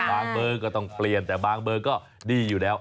เบอร์ก็ต้องเปลี่ยนแต่บางเบอร์ก็ดีอยู่แล้ว